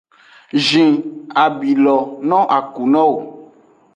Zhin abi lo no a ku no eo.